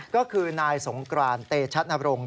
ก็คือนายสงกรานเตชะนบรงค์